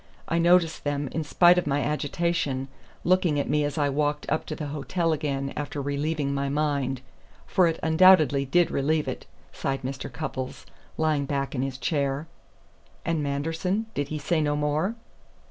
I noticed them, in spite of my agitation, looking at me as I walked up to the hotel again after relieving my mind for it undoubtedly did relieve it," sighed Mr. Cupples, lying back in his chair. "And Manderson? Did he say no more?"